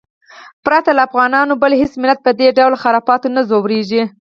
پرته له افغانانو بل هېڅ ملت په دې ډول خرافاتو نه ځورېږي.